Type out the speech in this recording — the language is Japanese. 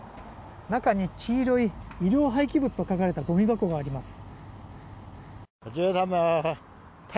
中に黄色い医療廃棄物と書かれたゴミ箱があります。